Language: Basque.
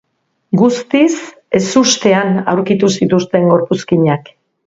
Guztiz ezustean aurkitu zituzten gorpuzkinak.